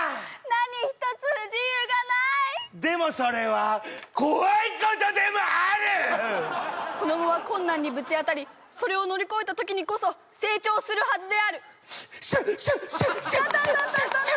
何一つ不自由がないでもそれは怖いことでもある子供は困難にぶち当たりそれを乗り越えた時にこそ成長するはずであるシュッシュッシュットントントントン